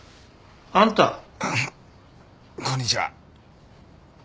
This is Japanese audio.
こんにちは。